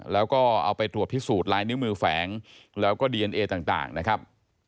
แล้วก็เอาไปตรวจพิสูจน์ลายนิ้วมือแฝงแล้วก็ดีเอนเอต่างนะครับ